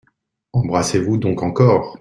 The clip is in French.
Embrassez-vous donc encore.